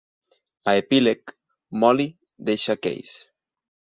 A epíleg, Molly deixa Case.